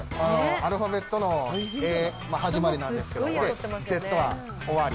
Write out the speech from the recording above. アルファベットのＡ、始まりなんですけど、Ｚは終わり。